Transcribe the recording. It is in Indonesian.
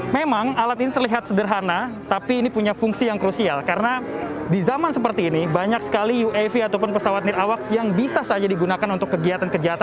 memang alat ini terlihat sederhana tapi ini punya fungsi yang krusial karena di zaman seperti ini banyak sekali uav ataupun pesawat nirawak yang bisa saja digunakan untuk kegiatan kegiatan